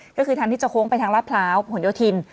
ก็คือทางที่จะโค้งไปทางลาดพร้าวผลโยธิน